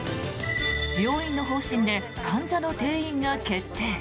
病院の方針で患者の転院が決定。